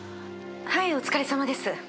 お疲れさまです。